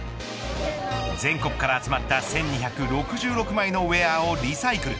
全国から集まった１２６６枚のウエアをリサイクル。